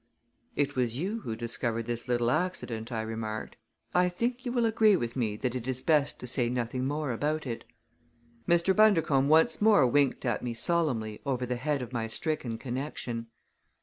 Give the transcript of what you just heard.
"It was you who discovered this little accident," I remarked. "I think you will agree with me that it is best to say nothing more about it." Mr. Bundercombe once more winked at me solemnly over the head of my stricken connection.